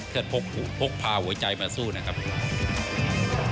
เพื่อนพกหูพกพาหัวใจมาสู้นะครับ